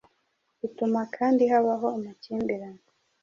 Bituma kandi habaho amakimbirane